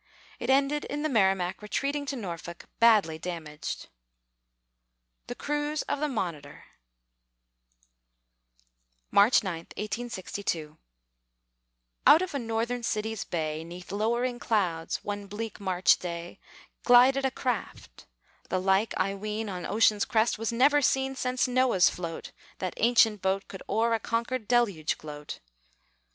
It ended in the Merrimac retreating to Norfolk, badly damaged. THE CRUISE OF THE MONITOR [March 9, 1862] Out of a Northern city's bay, 'Neath lowering clouds, one bleak March day, Glided a craft the like, I ween, On ocean's crest was never seen Since Noah's float, that ancient boat, Could o'er a conquered deluge gloat.